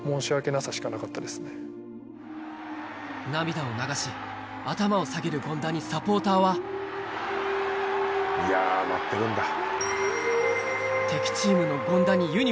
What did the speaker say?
涙を流し頭を下げる権田にサポーターはいやぁ待ってるんだ。